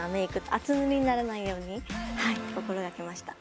厚塗りにならないように心掛けました。